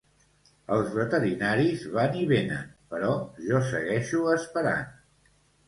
Els veterinaris van i venen, però jo segueixo esperant.